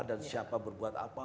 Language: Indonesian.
dan siapa berbuat apa